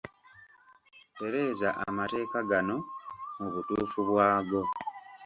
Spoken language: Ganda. Tereeza amateeka gano mu butuufu bwago.